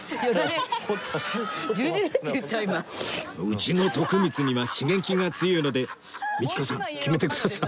うちの徳光には刺激が強いので道子さん決めてください